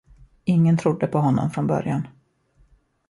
Ingen trodde på honom från början.